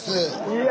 いや！